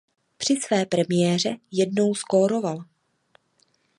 Při své premiéře jednou skóroval.